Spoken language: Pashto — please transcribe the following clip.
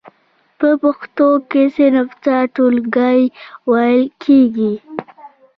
په پښتو کې صنف ته ټولګی ویل کیږی.